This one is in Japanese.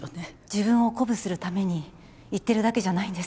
自分を鼓舞するために言ってるだけじゃないんですか？